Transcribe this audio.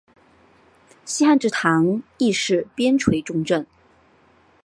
西汉至唐宋亦是边睡重镇。